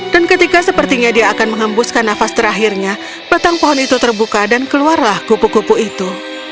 ketika sepertinya dia akan mengembuskan nafas terakhirnya batang pohon itu terbuka dan keluarlah kupu kupu itu